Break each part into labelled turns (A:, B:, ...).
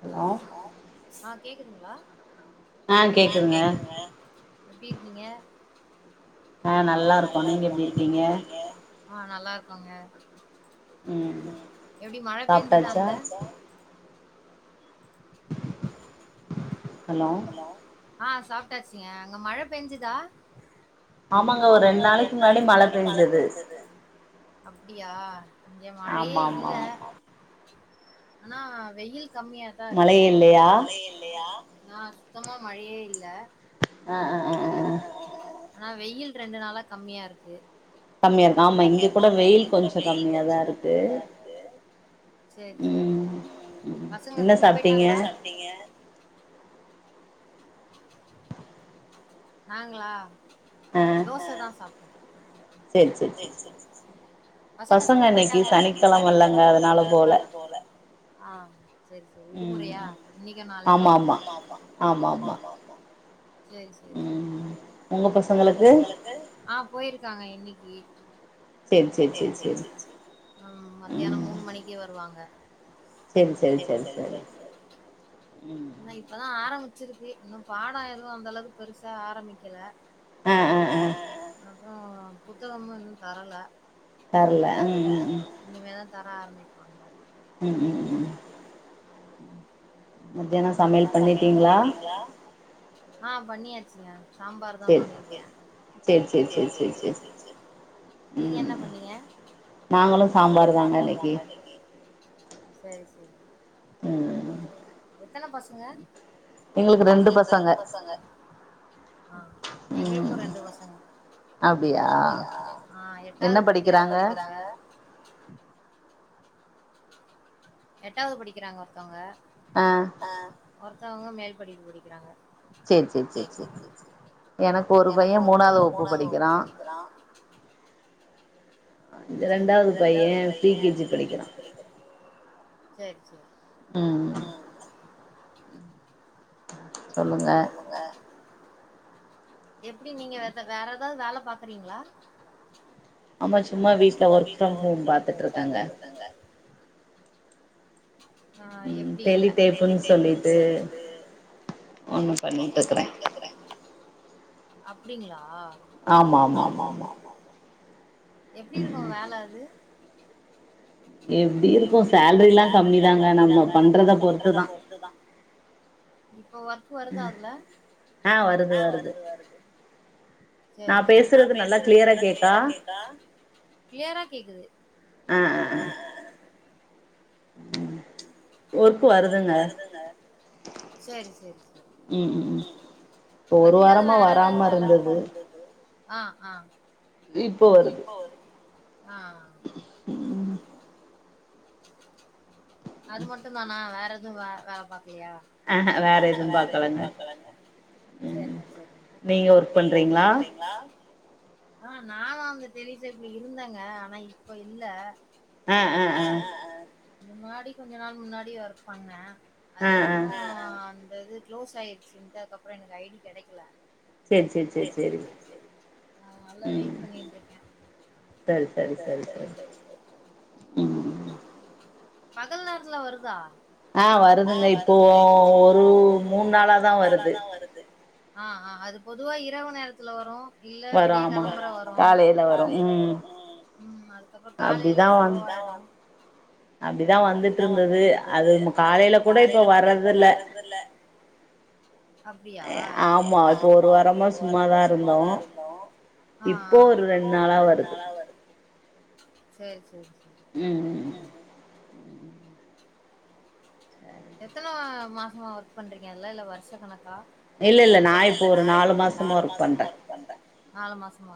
A: Hello
B: கேக்குதுங்களா
A: ஆ கேக்குதுங்க
B: எப்டி இருக்கீங்க
A: ஆ நல்லா இருக்கோம் நீங்க எப்டி இருக்கீங்க
B: ஆ நல்லா இருக்கோங்க எப்டி மழ பேஞ்சுதான் அங்க
A: ஹலோ
B: ஆ சாப்ட்டாச்சுங்க அங்க மழ பேஞ்சிதா
A: ஆமாங்க ஒரு ரெண்டு நாளைக்கு முன்னாடி மழ பேஞ்சது
B: அப்டியா இங்க மழையே இல்ல ஆனா வெயில் கம்மியாதான் இருக்கு மழயே இல்லையா ஆ சுத்தமா மழையே இல்ல
A: ஆ ஆ ஆ ஆ
B: ஆனா வெயில் ரெண்டு நாளா கம்மியா இருக்கு கம்மியா இருக்கு ஆமா இங்ககூட வெயில் கொஞ்ச கம்மியாதான் இருக்கு சேரி சேரி ம் பசங்க ஸ்கூல் போய்ட்டாங்களா என்ன சாப்டீங்க நாங்களா தோச தான் சாப்டோ சேரி சேரி சேரி பசங்க ஸ்கூல் போய்ட்டாங்களா பசங்க இன்னக்கி சனிக்கெழம இல்லங்க அதனால போல ஆ செரி செரி விடுமுறையா இன்னிக்கும் நாளைக்கும் ஆமா ஆமா ஆமா ஆமா சரி சரி சரி ம் உங்க பசங்களுக்கு ஆ போயிருக்காங்க இன்னைக்கு ம் மத்தியானம் மூணு மணிக்கு வருவாங்க
A: சேரி செரி செரி சேரி
B: ஆனா இப்பதா ஆரம்பி ச்சிருக்கு இன்னு பாட எதுவு அந்த அளவுக்கு பெருசா ஆரம்பிக்கல அ ப்றொ புத்தகமு இன்னு தரல
A: தர்ல அ ம் ம்
B: தர ஆரமிப்பாங்க
A: ம்‌ ம் ம் மத்யானோ சமையல் பண்ணிட்டீங்ளா?
B: ஆ பண்ணியாச்சுங்க சாம்பார் தா பண்ணிருக்கே நீங்க என்ன பண்ணீங்க? சேரி சேரி
A: ம்
B: எத்தன பசங்க? ஆ எங்களுக்கு ரெண்டு பசங்க ஆ எட்டாவுது படிக்கிறாங்க ஒருத்தவ்ங்க எட்டாவுது படிக்கிறாங்க ஒருத்தவ்ங்க
A: ஆ
B: ஒருத்தவ்ங்க மேல் படிப்பு படிக்கிறாங்க
A: செர் செர் செர் செர் எனக்கு ஒரு பைய மூணாவுது வகுப்பு படிக்கிறா அ ரெண்டாவுது பைய ஃப்ரீ கே ஜி படிக்கிறா
B: சேர் சேரி
A: ம் சொல்லுங்க
B: எப்பிடி நீங்க வேற்த வேற எதாது வேல பாக்குறீங்ளா?
A: ஆமா சும்மா வீட்ல ஒர்க் ஃப்ரம் ஹோம் பாத்துட்ருக்கெங்க
B: ஆ எப்டி ல அப்டிங்ளா
A: ஆமாமாமாமா
B: எப்டி இருக்கு வேல அது?
A: எப்டி இருக்கு சேல்ரி எல்லா கம்மிதாங்க. நம்ம பண்றத பொறுத்துதா.
B: இப்ப ஒர்க் வருதா அதுல? சேரி சேரி. க்ளியரா கேக்குது.
A: ம்
B: சேரி சேரி அது இல்லாத வேற ஏதாவது வேல ஆ ஆ
A: இப்போ வருது.
B: அது மட்டும்தானா வேற எ துவு வேற வேல பாக் க்கலயா? சேரிங்க சேரிங்க. ஆ நா வ முன்ன [unintelligible] இருந்தாங்க ஆனா இப்ப இல்ல
A: ஆ ஆ ஆ
B: முன்னாடி கொஞ்ச நாள் முன்னாடி ஒர்க் பண்ணே. அதுக்கப்புறோ அந்த இது க்ளோஸ் ஆயிருச்சுன்ட்டு அதுக்கப்புறோ எனக்கு ஐ டி கெடைக்கல. ஆ அதனால வெயிட் பண்ணிட்ருக்கே பகல் நேரத்துல வருதா?
A: ஆ வருதுங்க. இப்போ ஒரு மூணு நாளாதா வருது
B: ஆ ஆ அது பொதுவா இரவு நேரத்துல வரு. இல்ல விடியக்காலம்பற வரு. ம் அதுக்கப்றோ காலைல ஸ்லோ ஆயிரு. அப்டியா? ஆ ஆ சேரி சேரி
A: ம் ம்
B: எத்தன மாசமா ஒர்க் பண்றீங்க அதுல, இல்ல வருஷக் கணக்கா?
A: இல்ல இல்ல நா இப்போ ஒரு நாலு மாசமா ஒர்க் பண்றே.
B: நாலு மாசமா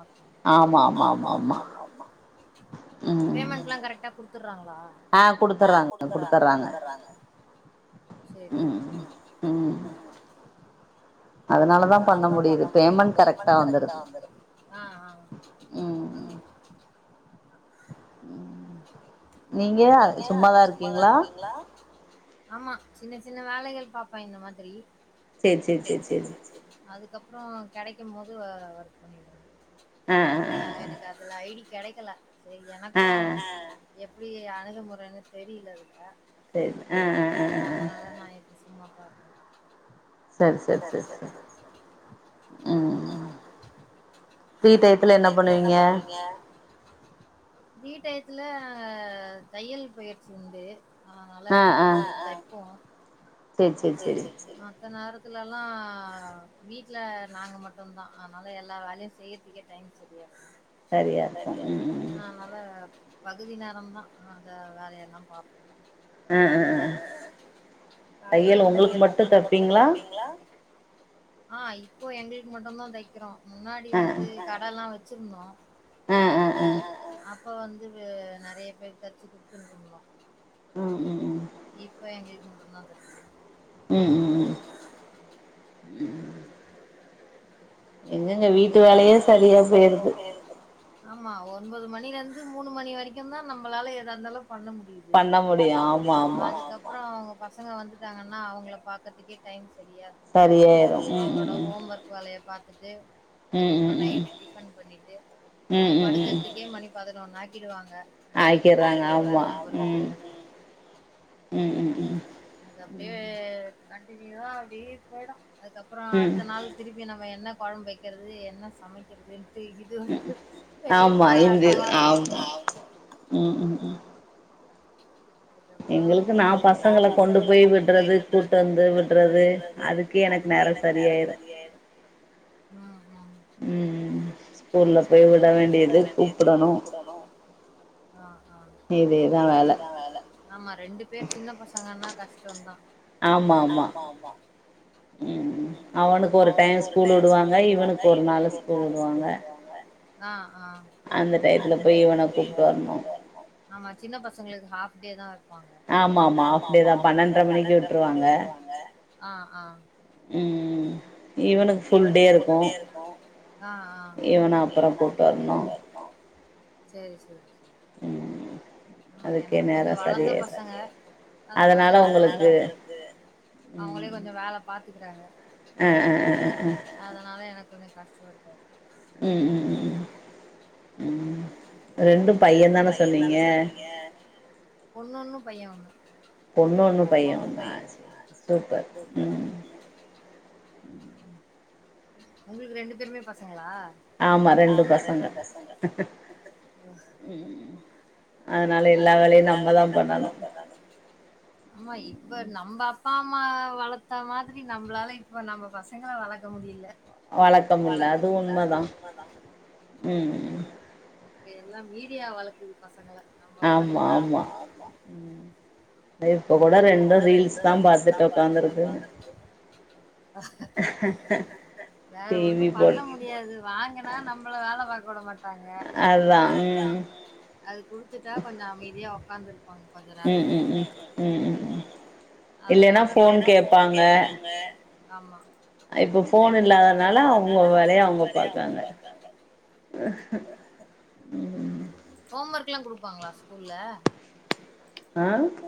B: ஆமா ஆமா ஆமா ஆமா. றாங்க ஆ குடுக்துறாங்க குடுத்தர்றாங்க சேரிங்க அதனாலதா பண்ண முடியுது பேமெண்ட் கரெக்ட்டா வந்தருது உம் நீங்க சும்மாதா இருக்கீங்ளா ஆமா சின்ன சின்ன வேலைகள் பாப்பேன் இந்த மாதிரி சேரி சேரி சேரி சேரி அது அதுக்கப்றோ கெடைக்கும் போது ஒர்க் பண்ணிடுங்க இப்போ வே வே கதலாய [unintelligible] கெடைக்கல எனக்கு எப்டி அணுகுமுறைன்னு தெரியல இதுல
A: சேரி ஆஹ் ஆஹ் ஆஹ்ஹ்
B: சும்மா தா இருக்கோ சேரி சேரி டீ டைத்ல என்னா பண்ணுவீங்க டீ டைத்ல த்துல தையல் பயிற்சி உண்டு அதனால கொஞ்சோ தெப்போ
A: சேரி சேரி சேரி
B: இந்த நேரத்லலா எல்லா வீட்ல நாங்க மட்டும்தா அதனால எல்லா வேலயு செய்யறதுக்கே டைம் சரியா இருக்கும்
A: சரியா இருக்கா உம் உ
B: பகுதி நேரம்தான அத வேலயெல்லாம் பாப்போம் ஆ ஆ அ
A: தையல் ஒங்களுக்கு மட்டு தப்பீங்ளா
B: ஆ இப்போ எங்களுக்கு மட்டுந்தா தக்குறோ முன்னாடி வந்து கட எல்லா வச்ச வச்சிருந்தோம்
A: அ அ அ
B: இப்ப வந்துட்டு நெறய பேரு தெச்சி குடுத்துட்டு இருந்தோம் இப்ப எங்க மூணுபெரு தா பெருசு [inaudible] ஆ
A: எங்கங்க வீட்டு வேலயே சரியா போய்டுது
B: ஆமா ஒன்பது மணில இருந்து மூணு மணி வரைக்கும் தா நம்மளால எதா இருந்தாலு பண்ண முடியுது அதுக்கப்புறோ பசங்க வந்துட்டாங்கன்னா அவங்கள பாக்கறதுக்கே டைம் தெரியாது அவனோட ஹோம் ஒர்க் வேலய பாத்து அது அதுக்கப்புறோ நைட்டு டிஃபன் பண்ணிட்டு அவங்க படுக்குறதுக்கே மணி பதினோ ஆமா மாத்திடுவாங்க ப்ராஐகெட் வொர்க் ஹோம் வொர்க் அது அப்படியே கண்டினியூவா அப்டியே போயிடு அதுக்கப்புறோ அடுத்த நாள் திருப்பி நம்ம இப்ப என்ன கொழம்பே இருக்கிறது என்ன சமைக்கிறது இது வந்து பெரிய போராட்டம்மா இருக்கு எங்களுக்கு நா பசங்கள கொண்டு போய் விடுறது கூட்டி வந்து விடுறது அதுக்கே எனக்கு நேரோ சரியாயிரு ம் ம் ஸ்கூல்ல போய் விட வேண்டியது கூப்டணு இதேதா வேல ஆமா ரெண்டு பேர் சின்ன பசங்க ஆனா கஷ்டம்தா ஆமா ஆமா ம் அவனுக்கு ஒரு டைம் ஸ்கூல் வுடுவாங்க இவனுக்கு ஒரு நாள் ஸ்கூல் வுடுவாங்க ஆ அந்த டயத்துல போய் இவன கூப்ட்டு வரணு சின்ன பசங்களுக்கு ஹாஃப் அதே தான் இரு
A: ஆமா ஆமா ஆஃப்டே தா பன்னெண்ட்ர மணிக்கு விட்டுருவாங்க
B: ஆ ஆ ம் இவனுக்கு ஃபுல்டே இருக்கு இவன அப்புறஃ கூப்ட்டு வரணு சேரி சேரி
A: ம் அதுக்கு என்
B: கொஞ்சோ வளர்ந்த பசங்க அதனால எங்களுக்கு அவங்களே கொஞ்சோ வேல பாத்துக்குறாங்க அதனால எனக் கொஞ்சோ கஷ்டம் இருக்காது
A: ம் ம் ம் ம் ரெண்டும் பையன் தான சொன்னீங்க
B: பொண்ணு ஒன்னு பைய ஒன்னு பொண்ணு ஒன்னு பைய ஒன்னா சூப்பர் அ உங்களுக்கு ரெண்டு பேருமே பசங்களா
A: ஆமா ரெண்டு பசங்க ம்
B: அதனால எல்லா வேலையு நம்பதா பண்ணணு ஆமா இப்ப நம்ப அப்பா அம்மா வளத்த மாதிரி நம்பளால இப்ப நம்ப பசங்கள வளக்க முடியல
A: வழக்கமுல்ல அது உண்மதா ம்
B: இப்ப எல்லா மீடியா வளக்குது பசங்கள நம்ம வழக்கு ஆமா இப்பகூட ரெண்டு ரிலீஸ் தா பாத்துட்டு உக்காந்துருக்குங்க வேற ஒண்ணு பண்ண முடியாது வாங்குனா நம்பள வேல பா கூட மாட் ப்பாங்க அதா ம் அதுகு த்துட்டா கொஞ்சோ அமைதியா உக்காந்துருக் கொஞ்சோ நேரத்துக்கு அதனால இல்லனா ஃபோன் கேப்பாங்க ஆமா
A: இப்ப ஃபோன் இல்லாதனால அவங்க வேலைய அவங்க பாக்காங்க ம்
B: க்லா குடுப்பாங்களா ஸ்கூல்ல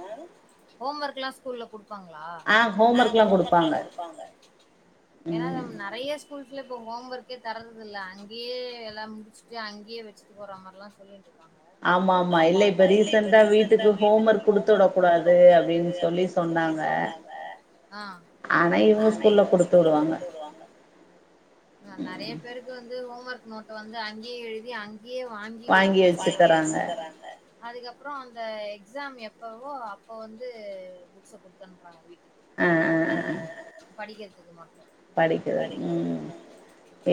B: அ ஹோம் ஒர்க்ல்லா ஸ்கூல்ல கு ப்பாங்களா அ ஹோம் ஒர்க்லா குடுப்பாங்க ஏன்னா நம் நெறைய ஸ்கூல்ஸில இப்போ ஹோம் ஒர்க்கே தரது இல்ல அங்கே எல்லா முடிச்சுட்டு அங்கேயே வச்சுட்டு போற மாரிலா சொல்லிட்டுரு
A: ஆமா ஆமா இல்ல இப்ப ரீசெண்டடா வீட்டுக்கு ஹோம் ஒர்க் குடுத்
B: ஹோம் ஒர்க் குடுத்து விட கூடாது அப்பிடின்னு சொல்லி சொன்னாங்க ஆ ஆனா இவங்க ஸ்கூல்ல குடுத்துடுவாங்க நா நெறைய பேருக்கு வந்து த்து ஹோம் ஒர்க் நோட்ட வந்து அங்கேயே எழுதி அங் கியே வாங்கி வா வாங்கி வச்சிதறாங்க அதுக்கப்றோ அந்த எக்ஸாம் எப் பவோ அப்ப வந்து புக்ஸ குடுத்தனுப்புறாங்க வீட் உஹ் படிக்கற்துக்குமா
A: படிக்கிற ம்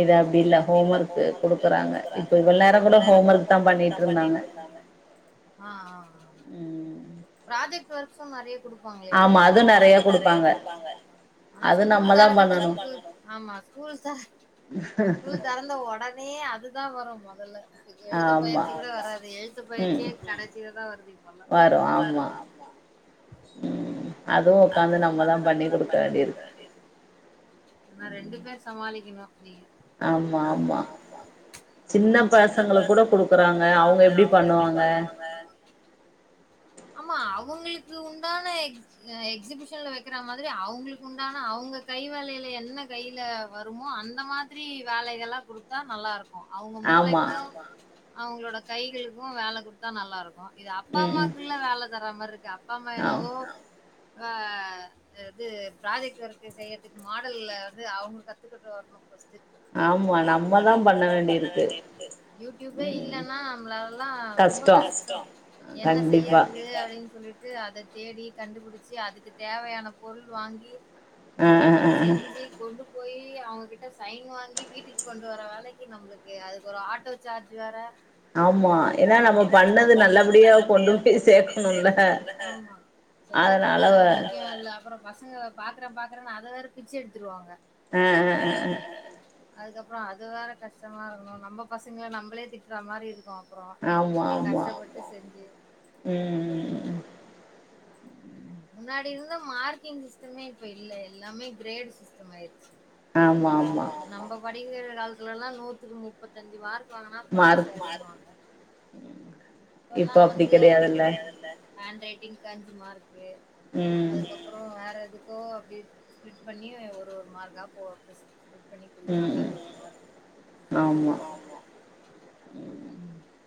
A: இது அப்டி இல்ல ஹோம் ஒர்க்கு குடுக்குறாங்க இப்ப இவ்ள நேரங்கூட ஹோம் ஒர்க் தா பண்ணிட்ருந்தாங்க ம்
B: ப்ராஜெக்ட் டு ஒர்க்ஸும் நெறைய குடு ப்பாங்ளே இப்போ ஆனா ஸ்கூல் தெறக்கர்த்துக்கு ஆமா ஸ்கூல் தெற ஸ்கூல் தெறந்த ஒடனயே அது தா வரு மொ தல்ல எழுத்து பயிற்சி கூட வராது எழுத்து பயிற்சியே கடசில தா வருது இப்பல்லா
A: வரு ஆமா ம் அதுவு ஒக்காந்து நம்மதா பண்ணி குடுக்க வேண்டி இருக்கு
B: ளிக்கிணு ஆமா ஆமா சின்ன பசங்கள கூட குடுக்குறாங்க அவங்க எப்டி பண்ணுவாங்க ஆமா அவுங்களுக்கு உண்டான எக் எக்ஸிபிஷன்ல வக்கிற மாதிரி அவுங்களுக்கு உண்டான அவுங்க கை வேலைல என்ன கைல வருமோ அந்த மாதிரி வேலைகள்லா குடுத்தா நல்லாருக் அவுங்க மூளைக்கு அவுங்களோட கைகளுக்கு வேல குட்த்தா நல்லாருக்கு எ அம்மாக்குல்ல வேல தர மாருக்கு அ ஆமா என்னவோ ஆ இது ப்ராஜெக்ட் ஒர்க்கு செய்யற்துக்கு மாடல்ல வந்து அவுங்க கத்துகிட்டு வர்ணு ஒஸ்ட்டு யூட்யூபே இல்லன்னா நம்ளாலல்லா ரொம்ப கஷ்டொ என்ன செய்யற்து அப்டின் சொல்லிட்டு அத தேடி கண்டுபுடுச்சு அதுக்கு தேவையான பொருள் வாங்கி அது செஞ்சி கொண்டு போயி அவுங்ககிட்ட சைன் வாங்கி வீட்டுக்கு கொண்டு வர வேலைக்கு நம்ளுக்கு அதுக்கு ஒரு ஆட்டோ சார்ஜ் வேற
A: ஆமா ஏன்னா நம்ம பண்ணது நல்லபடி
B: ஆமா செய்யிறதுகுட முக்கியொ இல்ல அப்புறொ பசங்க பாக்குறம் பாக் கற‌ன் அத வேற பிச்சு எடுத்துருவாங்க
A: அ அ அ அ
B: அதுக்கப்புறம் அது வேற கஷ்டமா இருக்கும் நம்ம பசங்களை நம்மளே திட்டுற மாதிரி இருக்கும் அப்புறம் கஷ்டப்பட்டு செஞ்சு
A: உம் உம் உம் உம்
B: முன்னாடி இருந்த மார்க்கிங் சிஸ்டமே இப்ப இல்ல எல்லாமே கிரேடு சிஸ்டம் ஆயிருக்கு ஆமாமா நம்ம ப காலத்துெல்லாம் நூற்றுக்கு முப்பத்தஞ்சு மார்க் ஆனா பாருங்க இப்பல்லாம் வந்துஅப்படி கிடையாதுல்ல ஹண்ட்ரைட்டங் டென்த் மார்க் அதுக்கப்புறம் வேற இது அப்போ அப்பிட் பண்ணி ஒரு ஒரு மார்க்கா போடு பண்ணி கொடுக்குறாங்க ஆமா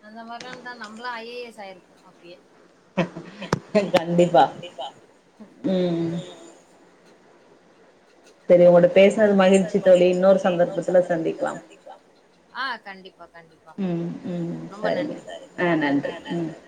B: அந்த மாதிரிலாம் இருந்தா நம்மளாம் ஐஏஎஸ் ஆயிருப்போம் அப்பயே
A: கண்டிப்பா உம்
B: செரி உங்களோட பேசனது மகிழ்ச்சி தோழி இன்னொரு சந்தர்ப்பத்துல சந்திக்கலாம் ஆஹ் கண்டிப்பா கண்டிப்பா ரொம்ப நன்றி ஆஹ் நன்றி